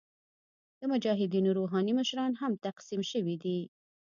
د مجاهدینو روحاني مشران هم تقسیم شوي دي.